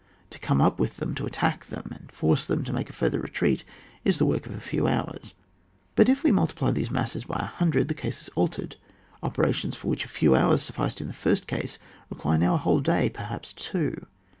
To come up with them, to attack them, and force them to make a farther retreat is the work of a few hours ; but if we multiply these masses by 100, the case is altered. Operations for which a few hours sufficed in the first case, re quire now a whole day, perhaps two.